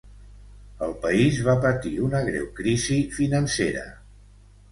El país va patir una greu crisi financera.